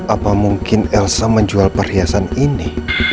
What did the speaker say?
apa mungkin elsa menjual perhiasan ini